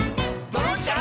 「ドロンチャ！